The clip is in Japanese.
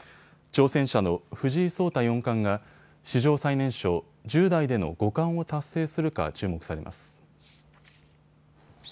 挑戦者の藤井聡太四冠が史上最年少、１０代での五冠を達成するか注目されます。